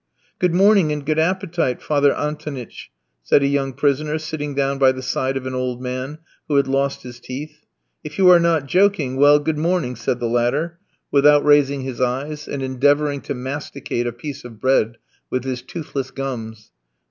"Good morning and good appetite, Father Antonitch," said a young prisoner, sitting down by the side of an old man, who had lost his teeth. "If you are not joking, well, good morning," said the latter, without raising his eyes, and endeavouring to masticate a piece of bread with his toothless gums.